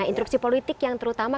nah interupsi politik yang terutama